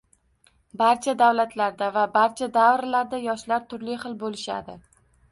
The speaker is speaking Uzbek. Barcha davlatlarda va barcha davrlarda yoshlar turli hil boʻlishadi.